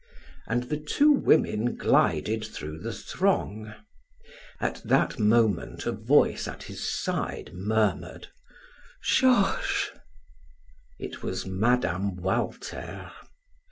And the two women glided through the throng. At that moment a voice at his side murmured: "Georges!" It was Mme. Walter.